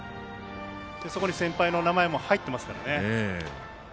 そこに先輩の名前も入ってますからね。